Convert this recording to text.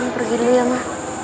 pergi dulu ya ma